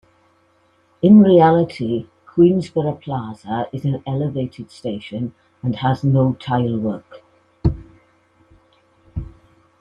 In reality, Queensboro Plaza is an elevated station and has no tilework.